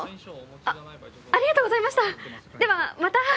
あっありがとうございましたではまた！